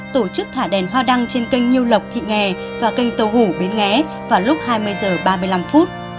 tổ chức thả đèn hoa đăng trên kênh nhiêu lộc thị nghè và kênh tàu hủ bến nghé vào lúc hai mươi h ba mươi năm phút